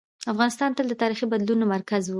افغانستان تل د تاریخي بدلونونو مرکز و.